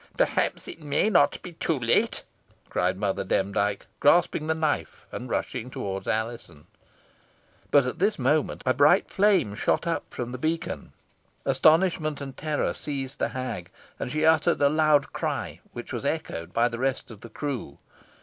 "Perhaps it may not be too late," cried Mother Demdike, grasping the knife, and rushing towards Alizon. But at this moment a bright flame shot up from the beacon. Astonishment and terror seized the hag, and she uttered a loud cry, which was echoed by the rest of the crew.